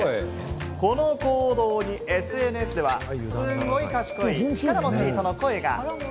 この行動にＳＮＳでは、すごい賢い、力持ちとの声が。